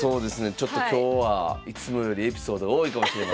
ちょっと今日はいつもよりエピソードが多いかもしれません。